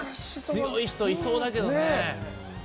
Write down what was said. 強い人いそうだけどね。